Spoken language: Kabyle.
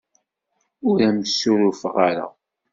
Ur am-ssurufeɣ ara.